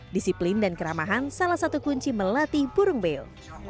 disiplin dan keramahan salah satu kunci melatih burung beo